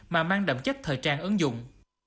mà mang đậm chất thời trang ứng dụng